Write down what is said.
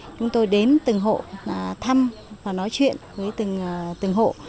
chúng tôi đến từng hộ thăm và nói chuyện với từng hộ